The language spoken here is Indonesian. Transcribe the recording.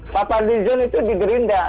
pak fahri hamzah itu di gerinda